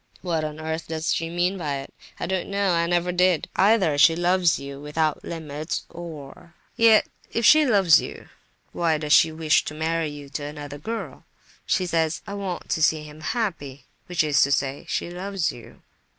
What on earth does she mean by it? I don't know, and I never did. Either she loves you without limits or—yet, if she loves you, why does she wish to marry you to another girl? She says, 'I want to see him happy,' which is to say—she loves you."